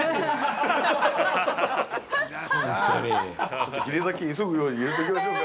◆ちょっと、ひれ酒急ぐように言っておきましょうか。